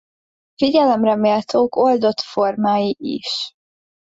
Figyelemre méltók oldott formái is.